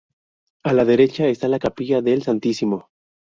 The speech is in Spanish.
A la derecha está la Capilla del Santísimo.